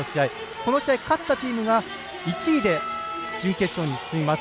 この試合、勝ったチームが１位で準決勝に進みます。